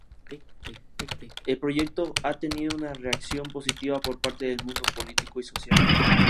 El proyecto ha tenido una reacción positiva por parte del mundo político y social.